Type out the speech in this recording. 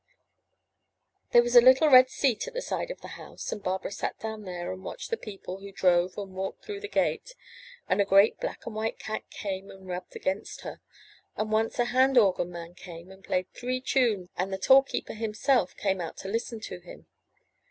There was a little red seat at the side of the house, and Barbara sat down there and watched the people 438 UP ONE PAIR OF STAIRS who drove and walked through the gate, and a great black and white cat came and rubbed against her, and once a hand organ man came and played three tunes, and the toll keeper himself came out to listen 'to him.